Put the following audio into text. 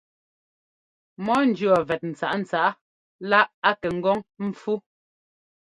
Mɔ ńjʉɔ́ vɛt ntsǎꞌntsǎꞌa lá a kɛ ŋgɔ́ŋ ḿpfú.